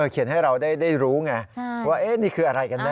ให้เราได้รู้ไงว่านี่คืออะไรกันแน